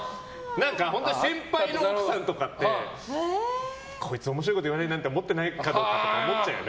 本当、先輩の奥さんとかってこいつ面白いこと言わねえなって思ってないかどうかって思っちゃうよね。